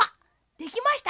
できました？